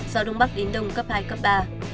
gió đông bắc đến đông cấp hai cấp ba